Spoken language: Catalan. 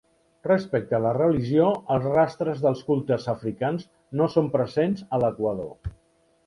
Respecte a la religió, els rastres dels cultes africans no són presents a l'Equador.